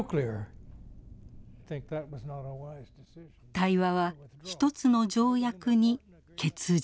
対話は１つの条約に結実。